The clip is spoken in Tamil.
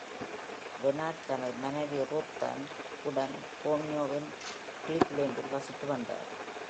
பென்னட் தனது மனைவி ரூத் ஆன் உடன் ஓஹியோவின் கிளீவ்லேண்டில் வசித்து வந்தார்.